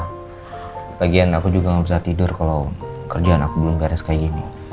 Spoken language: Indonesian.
sebagian aku juga gak bisa tidur kalau kerjaan aku belum beres kayak gini